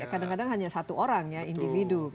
kadang kadang hanya satu orang ya individu